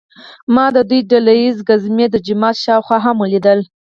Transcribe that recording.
ما د دوی ډله ییزې ګزمې د جومات شاوخوا هم ولیدلې.